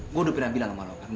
gue udah pernah bilang sama lo kan